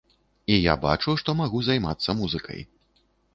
І я бачу, што магу займацца музыкай.